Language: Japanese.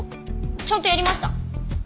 ちゃんとやりました。